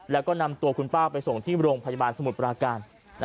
แล้วก็นำตัวคุณป้าไปส่งที่โรงพยาบาลสมุทรปราการ